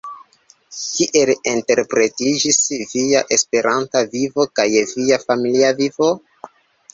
Kiel interplektiĝis via Esperanta vivo kaj via familia vivo?